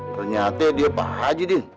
ternyata dia apa aja dia